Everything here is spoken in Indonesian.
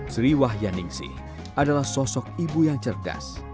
sri wahyaningsih adalah sosok ibu yang cerdas